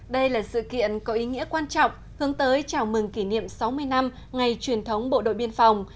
đây là sự kiện có ý nghĩa quan trọng hướng tới chào mừng kỷ niệm sáu mươi năm ngày truyền thống bộ đội biên phòng